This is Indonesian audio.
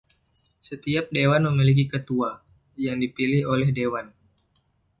Setiap dewan memiliki ketua, yang dipilih oleh dewan.